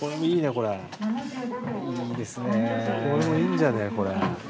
これもいいんじゃねえこれ。